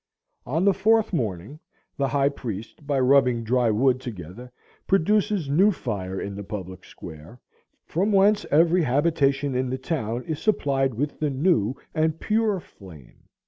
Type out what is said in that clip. —" "On the fourth morning, the high priest, by rubbing dry wood together, produces new fire in the public square, from whence every habitation in the town is supplied with the new and pure flame."